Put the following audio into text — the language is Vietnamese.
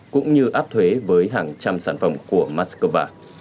cũng như áp thuế với hàng trăm sản phẩm của moscow